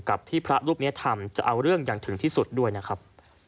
กับที่พระรูปนี้ทำจะเอาเรื่องอย่างถึงที่สุดด้วยนะครับ